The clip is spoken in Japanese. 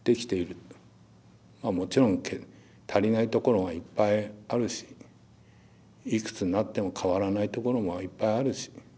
まあもちろん足りないところがいっぱいあるしいくつになっても変わらないところもいっぱいあるし。